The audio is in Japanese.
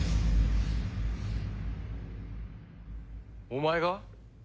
お前が？